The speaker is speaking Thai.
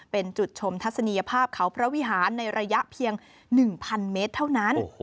เป็นจุดชมทัศนียภาพเขาพระวิหารในระยะเพียง๑๐๐เมตรเท่านั้น